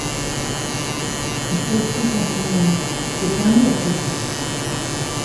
Mais celle-ci continua: — C’est permis, après tout...